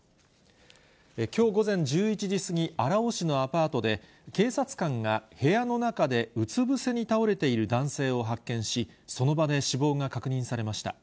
きょう午前１１時過ぎ、荒尾市のアパートで、警察官が部屋の中でうつ伏せに倒れている男性を発見し、その場で死亡が確認されました。